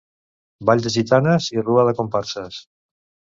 Ball de gitanes i Rua de comparses.